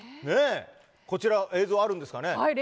こちら映像あるんですかね。